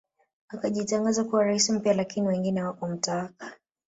Akajitangaza kuwa rais mpya lakini wengine hawakumtaka